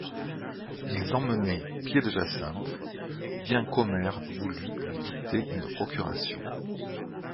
Ils emmenaient Pied-de-Jacinthe, bien qu'Omer voulût lui dicter une procuration.